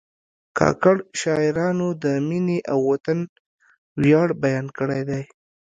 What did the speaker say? کاکړ شاعرانو د مینې او وطن ویاړ بیان کړی دی.